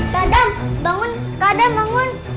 kak adam bangun kak adam bangun